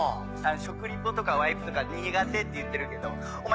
食リポとかワイプとか苦手って言ってるけどお前